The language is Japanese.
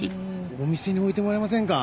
お店に置いてもらえませんか？